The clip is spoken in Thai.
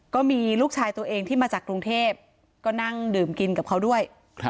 ก็มีลูกชายตัวเองที่มาจากกรุงเทพก็นั่งดื่มกินกับเขาด้วย